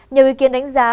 nhiều ý kiến đánh giá